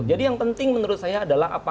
jadi yang penting menurut saya adalah apakah